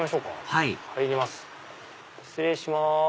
はい失礼します